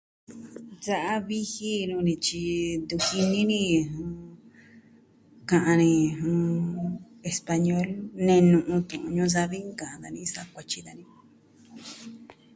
Sa'a viji nuu ni tyi ntu jini ni ka'an ni español nenu'u tu'un ñuu savi ka'an dani sa kuatyi dani.